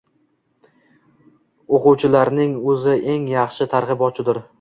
O‘quvchilarning o‘zi eng yaxshi targ‘ibotchidir.